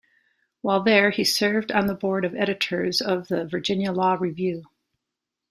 While there, he served on the board of editors of the "Virginia Law Review".